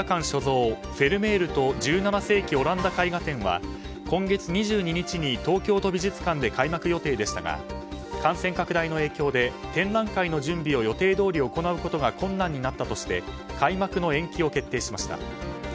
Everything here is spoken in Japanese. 所蔵フェルメールと１７世紀オランダ絵画展は東京都美術館で開幕予定でしたが感染拡大の影響で展覧会の準備を予定どおり行うことが困難になったとして開幕の延期を決定しました。